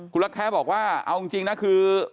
คุณรักแท้บอกว่าเอาจริงนะคือ